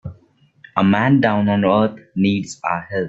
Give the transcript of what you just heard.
A man down on earth needs our help.